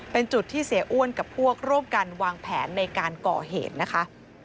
เป็นจุดที่เสียอ้วนกับพวกร่วมกันวางแผนในการก่อเหตุนะคะ